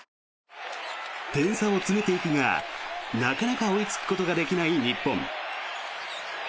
点差を詰めていくが、なかなか追いつくことができない日本。